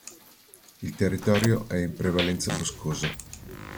Il territorio è in prevalenza boscoso.